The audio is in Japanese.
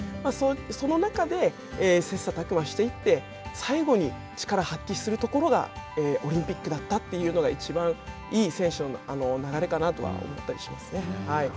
その中で、切さたく磨していって、最後に力を発揮するところが、オリンピックだったというのが、いちばんいい選手の流れかなとは思ったりしますね。